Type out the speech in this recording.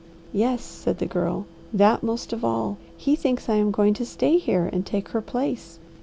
"Yes," said the Girl. "That most of all! He thinks I am going to stay here and take her place.